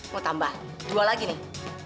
mau tambah dua lagi nih